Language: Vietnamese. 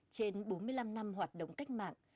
trên bốn mươi năm năm hoạt động cách mạng